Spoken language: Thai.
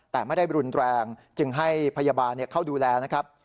แต่ไม่ได้รุนแรงจึงให้พยาบาลเข้าดูแลนะครับ